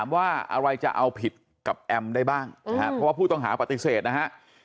ว่าอะไรจะเอาผิดกับแอมได้บ้างนะครับเพราะว่าผู้ต้องหาปฏิเสธนะฮะ